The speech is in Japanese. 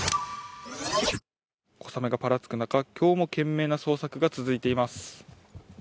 小雨がぱらつく中、今日も懸命な捜索が続いています。